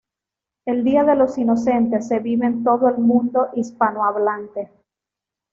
El día de los inocentes se vive en todo el mundo hispanohablante.